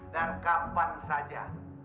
dan kapan saja